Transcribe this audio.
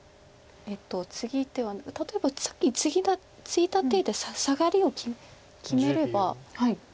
例えばさっきツイだ手でサガリを決めれば。